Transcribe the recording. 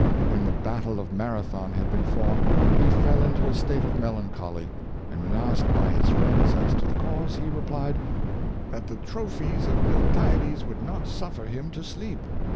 When the battle of Marathon had been fought, he fell into a state of melancholy; and when asked by his friends as to the cause, he replied " that the trophies of Miltiades would not suffer him to sleep.